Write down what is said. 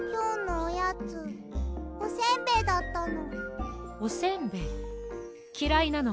おやつおせんべいだったの。